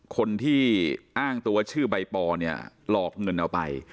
คนที่อ้างตัวว่าชื่อใบปอล์หลอกเงินเอาไป